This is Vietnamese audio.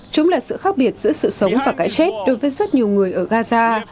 chúng là sự khác biệt giữa sự sống và cái chết đối với rất nhiều người ở gaza